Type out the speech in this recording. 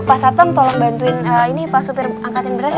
pak sateng tolong bantuin ini pak supir angkatin beras ya